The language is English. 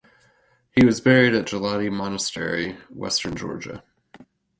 He was buried at Gelati Monastery, western Georgia.